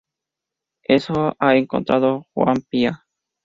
Eso ha encontrado Joan Pla""